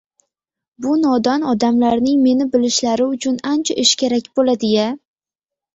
Bu nodon odamlarning meni bilishlari uchun ancha ish kerak bo‘ldi-ya